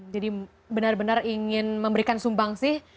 jadi benar benar ingin memberikan sumbang sih